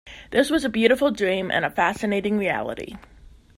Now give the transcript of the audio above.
This was a beautiful dream, and a fascinating reality.